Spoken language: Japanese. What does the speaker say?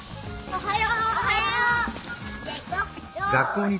おはよう。